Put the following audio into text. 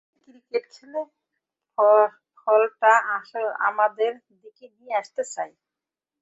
পাঁচটি দিন কঠিন ক্রিকেট খেলে ফলটা আমাদের দিকে নিয়ে আসতে চাই।